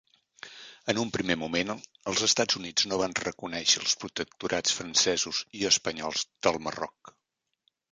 En un primer moment els Estats Units no van reconèixer els protectorats francesos i espanyols del Marroc.